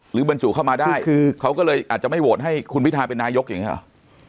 บรรจุเข้ามาได้คือเขาก็เลยอาจจะไม่โหวตให้คุณพิทาเป็นนายกอย่างนี้หรอ